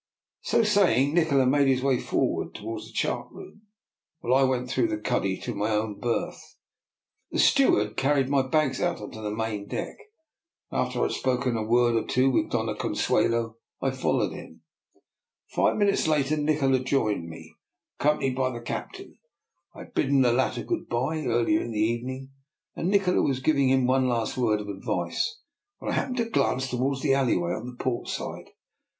So saying, Nikola made his way forward towards the chart room, while I went through the cuddy to my own berth. The steward carried my bags out on to the main deck, and, after I had spoken a word or two with Doiia Consuelo, I followed him. Five minutes later DR. NIKOLA'S EXPERIMENT. 133 Nikola joined me, accompanied by the cap tain. I had bidden the latter good bye ear lier in the evening, and Nikola was giving him one last word of advice, when I happened to glance toward the alleyway on the port side.